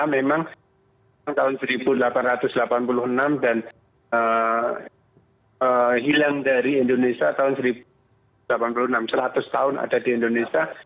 memang tahun seribu delapan ratus delapan puluh enam dan hilang dari indonesia tahun seribu delapan puluh enam seratus tahun ada di indonesia